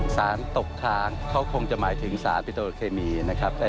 สารตกค้างเขาคงจะหมายถึงสารปิโตรเคมีนะครับ